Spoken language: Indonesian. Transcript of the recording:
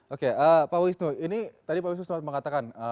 oke pak wisnu ini tadi pak wisnu sempat mengatakan